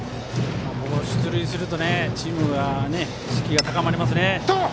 出塁するとチームの士気が高まりますね。